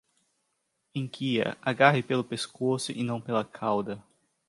Enguia, agarre pelo pescoço e não pela cauda.